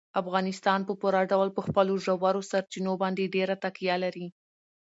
افغانستان په پوره ډول په خپلو ژورو سرچینو باندې ډېره تکیه لري.